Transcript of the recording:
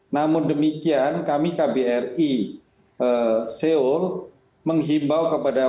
namun demikian kami kbri seoul menghimbau kepada